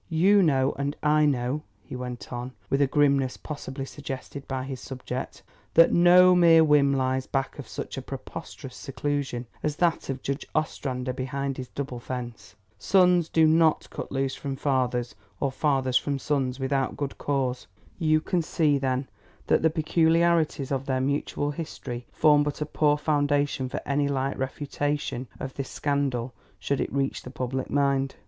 "You know and I know," he went on with a grimness possibly suggested by his subject, "that no mere whim lies back of such a preposterous seclusion as that of Judge Ostrander behind his double fence. Sons do not cut loose from fathers or fathers from sons without good cause. You can see, then, that the peculiarities of their mutual history form but a poor foundation for any light refutation of this scandal, should it reach the public mind.